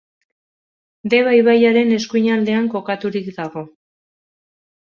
Deba ibaiaren eskuinaldean kokaturik dago.